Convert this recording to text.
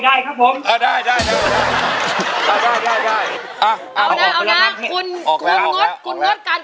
ไปขัดขวาง